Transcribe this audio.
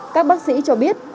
các bác sĩ cho biết